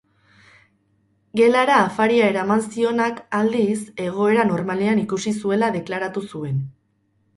Gelara afaria eraman zionak, aldiz, egoera normalean ikusi zuela deklaratu zuen.